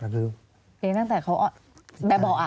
เลี้ยงตั้งแต่เขาอ้อนแบบบอก